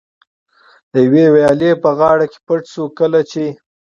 د یوې ویالې په غاړه کې پټ شو، کله چې.